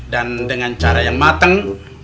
dan dengan cara yang mateng